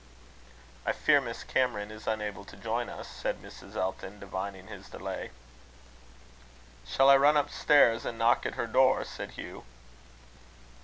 "I fear Miss Cameron is unable to join us," said Mrs. Elton, divining his delay. "Shall I run up stairs, and knock at her door?" said Hugh.